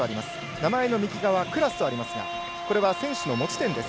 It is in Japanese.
名前の右側、クラスとありますがこれは選手の持ち点です。